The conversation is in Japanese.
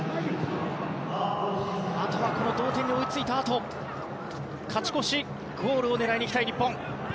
あとは、同点に追いついたあと勝ち越しゴールを狙いたい日本。